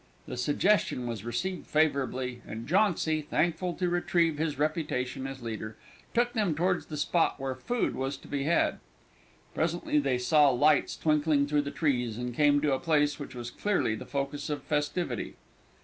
The suggestion was received favourably, and Jauncy, thankful to retrieve his reputation as leader, took them towards the spot where food was to be had. Presently they saw lights twinkling through the trees, and came to a place which was clearly the focus of festivity.